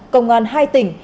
công an hai tỉnh